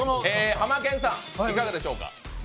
ハマケンさん、いかがでしょうか？